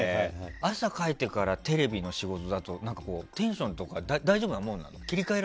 朝書いてからテレビの仕事だとテンションとか大丈夫なもんなの？